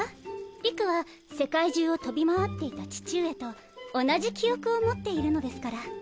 理玖は世界中を飛び回っていた父上と同じ記憶を持っているのですから。